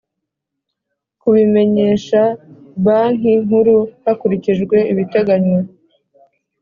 kubimenyesha Banki Nkuru hakurikije ibiteganywa